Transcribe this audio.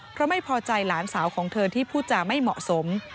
เพราะไม่พอใจหลานสาวของเธอที่พูดจาไม่เหมาะสม